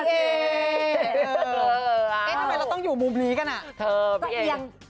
เอ๊ะทำไมเราต้องอยู่มุมนี้กันเอียง